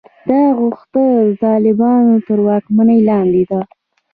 دا غوښتنه د طالبانو تر واکمنۍ لاندې ده.